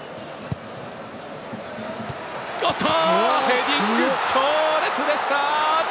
ヘディング、強烈でした！